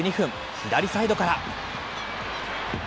左サイドから。